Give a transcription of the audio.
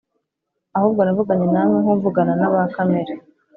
ahubwo navuganye na mwe nk'uvugana n'aba kamere,